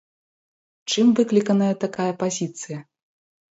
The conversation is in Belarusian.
Чым выкліканая такая пазіцыя?